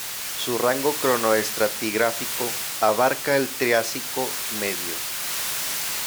Su rango cronoestratigráfico abarca el Triásico medio.